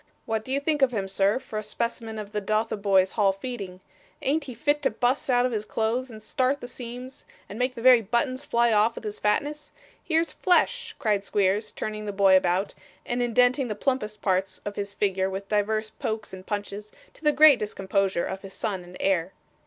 What do you think of him, sir, for a specimen of the Dotheboys Hall feeding? Ain't he fit to bust out of his clothes, and start the seams, and make the very buttons fly off with his fatness? Here's flesh!' cried Squeers, turning the boy about, and indenting the plumpest parts of his figure with divers pokes and punches, to the great discomposure of his son and heir.